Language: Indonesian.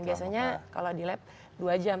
biasanya kalau di lab dua jam